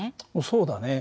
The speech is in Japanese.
そうだね。